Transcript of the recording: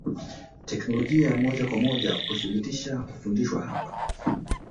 Teknolojia ya moja kwa moja kudhibiti hufundishwa hapa